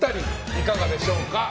いかがでしょうか？